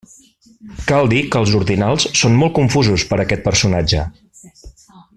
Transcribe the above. Cal dir que els ordinals són molt confusos per aquest personatge.